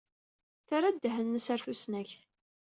Terra ddehn-nnes ɣer tusnakt.